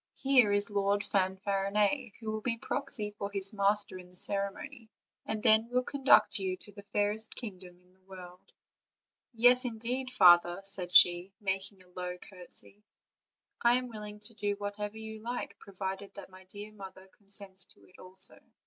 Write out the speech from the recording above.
here is Lord Fanfarinet, who will be proxy for his mas ter in the ceremony, and then will conduct you to the fairest kingdom in the world?" "Yes, indeed, father," said she, making a low cour tesy; "I am willing to do whatever you like, provided that my dear mother consents to it also."